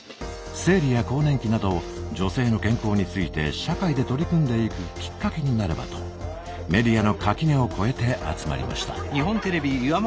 生理や更年期など女性の健康について社会で取り組んでいくきっかけになればとメディアの垣根を越えて集まりました。